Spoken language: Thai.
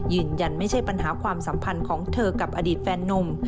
ยืนยันไม่ใช่ปัญหาความสัมพันธ์ของเธอกับอดีตแฟนนุ่ม